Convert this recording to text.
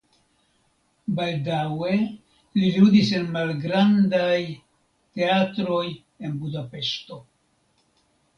Baldaŭe li ludis en malgrandfaj teatroj en Budapeŝto.